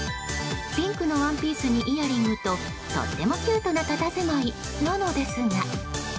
ピンクのワンピースにイヤリングととってもキュートなたたずまいなのですが。